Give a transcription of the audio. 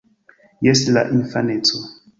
Jes, de la infaneco!